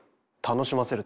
楽しませる？